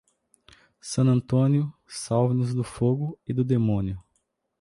San Antonio, salve-nos do fogo e do demônio.